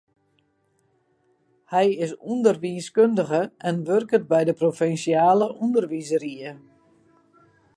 Hy is ûnderwiiskundige en wurket by de provinsjale ûnderwiisrie.